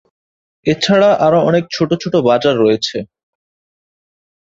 এছাড়া আরো অনেক ছোট ছোট বাজার রয়েছে।